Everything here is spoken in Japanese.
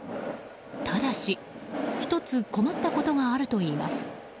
ただし、１つ困ったことがあるといいます。